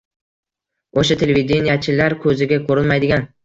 O‘sha, televideniyechilar ko‘ziga ko‘rinmaydigan